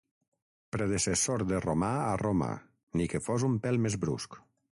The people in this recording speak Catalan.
Predecessor de romà a Roma, ni que fos un pèl més brusc.